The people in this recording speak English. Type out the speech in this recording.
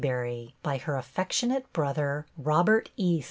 SEABURY, BY HER AFFECTIONATE BROTHER, ROBERT E.